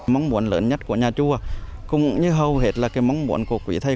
mong muốn lớn nhất của nhà chùa cũng như hầu hết là cái mong muốn của quý thầy